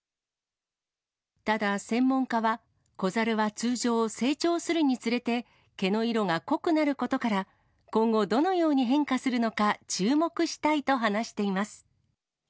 ただ、専門家は、子猿は通常、成長するにつれて毛の色が濃くなることから、今後、どのように変化するのか、注目したいと話しています。